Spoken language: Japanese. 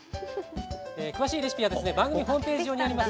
詳しいレシピは番組ホームページ上にあります